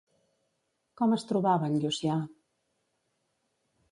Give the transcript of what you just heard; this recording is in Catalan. Com es trobava en Llucià?